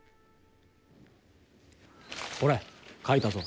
ほれ書いたぞ。